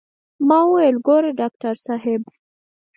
ما وويل ګوره ډاکتر صاحب.